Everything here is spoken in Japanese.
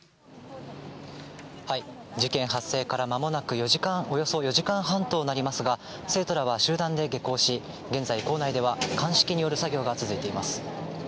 事件発生からまもなく、およそ４時間半となりますが、生徒らは集団で下校し、現在、校内では鑑識による作業が続いています。